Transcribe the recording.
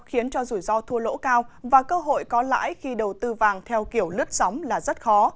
khiến cho rủi ro thua lỗ cao và cơ hội có lãi khi đầu tư vàng theo kiểu lướt sóng là rất khó